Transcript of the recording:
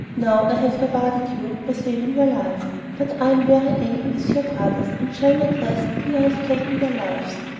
Now I have rewarded you by saving your life. But I am very angry with your brothers, and I shall not rest till I have taken their lives."